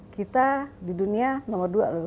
kita di dunia nomor dua loh